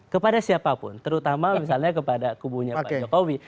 kepada siapapun terutama misalnya kepada kubunya pak jokowi